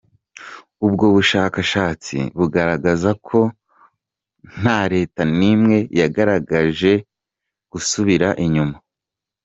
Ubwo bushakashatsi bugaragaza ko nta Leta n’imwe yagaragaje gusubira inyuma.